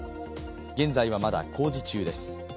現在はまだ工事中です。